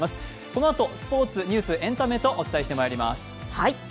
このあとスポーツ、ニュース、エンタメとお伝えしていきます。